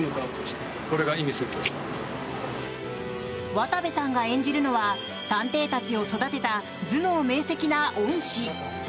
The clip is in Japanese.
渡部さんが演じるのは探偵たちを育てた頭脳明晰な恩師。